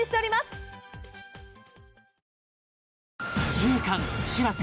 自衛艦「しらせ」